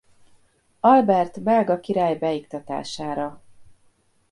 Albert belga király beiktatására.